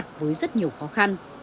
nhưng đối mặt với rất nhiều khó khăn